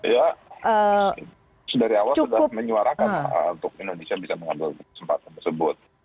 ya dari awal sudah menyuarakan untuk indonesia bisa mengambil kesempatan tersebut